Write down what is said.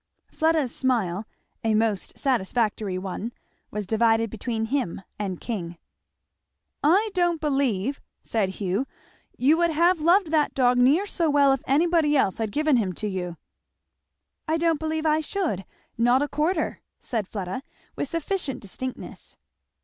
Fleda's smile, a most satisfactory one, was divided between him and King. "I don't believe," said Hugh, "you would have loved that dog near so well if anybody else had given him to you." "I don't believe I should! not a quarter," said Fleda with sufficient distinctness.